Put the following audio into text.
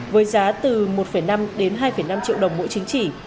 với giá từ một năm đến hai năm triệu đồng mỗi chứng chỉ